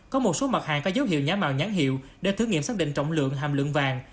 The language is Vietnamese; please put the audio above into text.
có một số mặt hàng có dấu hiệu nhá mạo nhãn hiệu để thử nghiệm xác định trọng lượng hàm lượng vàng